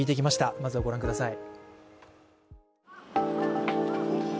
まずはご覧ください。